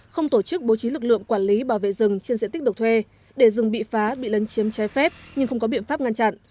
không tổ chức bố trí lực lượng quản lý bảo vệ rừng trên diện tích được thuê để rừng bị phá bị lấn chiếm trái phép nhưng không có biện pháp ngăn chặn